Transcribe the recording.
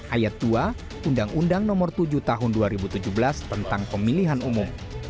ayat dua undang undang nomor tujuh tahun dua ribu tujuh belas tentang pemilihan umum